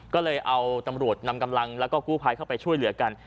ก็เลยเอาตำรวจนำกำลังแล้วก็กู้ภัยเข้าไปช่วยเหลือกัน